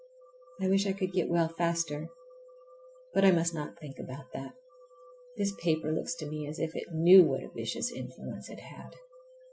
I wish I could get well faster. But I must not think about that. This paper looks to me as if it knew what a vicious influence it had!